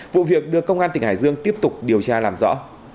vụ việc đưa công an tỉnh hải dương tiếp tục điều tra làm rõ